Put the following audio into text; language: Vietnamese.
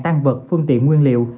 tăng vật phương tiện nguyên liệu